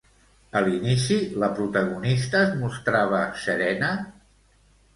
A l'inici, la protagonista es mostrava serena?